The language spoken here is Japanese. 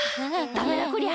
ダメだこりゃ。